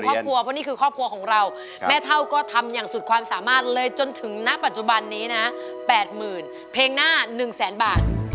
ครอบครัวเพราะนี่คือครอบครัวของเราแม่เท่าก็ทำอย่างสุดความสามารถเลยจนถึงณปัจจุบันนี้นะ๘๐๐๐เพลงหน้า๑แสนบาท